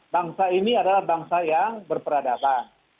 bangsa ini adalah bangsa yang berperadaban